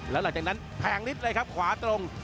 แล้วหลังจากนั้นแพงนิดเลยครับขวาตรง